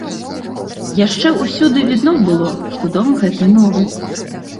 Яшчэ ўсюды відно было, што дом гэты новы.